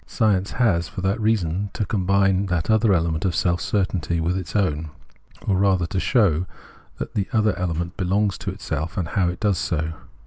Science has for that reason to combine that other element of self certainty with its own, or rather to show that the other element belongs to itself, and how it does so.